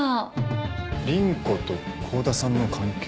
倫子と幸田さんの関係？